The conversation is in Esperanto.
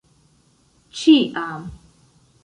Ĉiam.